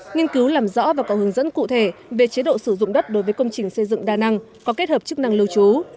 nghiên cứu làm rõ và có hướng dẫn cụ thể về chế độ sử dụng đất đối với công trình xây dựng đa năng có kết hợp chức năng lưu trú